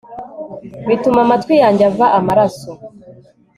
bituma amatwi yanjye ava amaraso